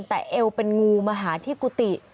แต่เอวเป็นงูมาหาที่กุฏิ